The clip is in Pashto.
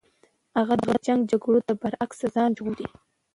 هغه د جنګ جګړو د برعکس ځان ژغوري.